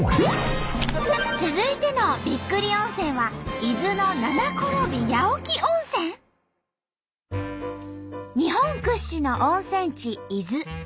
続いてのびっくり温泉は日本屈指の温泉地伊豆。